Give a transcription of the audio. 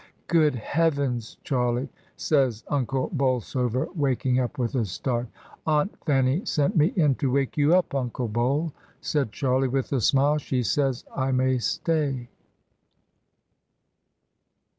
"Good heavens! Charlie," says Unde Bolsover, waking up with a start "Aunt Fanny sent me in to wake you up, Unde Bol," said Charlie, with a smile. "She says I may stay."